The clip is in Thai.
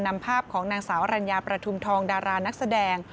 นำภาพของนางสาวอรัญญาประทุมทองดารานักแสดง